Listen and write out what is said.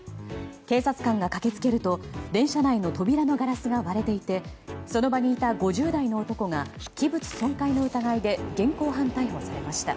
警察官が駆け付けると電車内の扉のガラスが割れていてその場にいた５０代の男が器物損壊の疑いで現行犯逮捕されました。